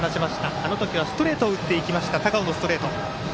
あの時はストレートを打っていきました高尾のストレート。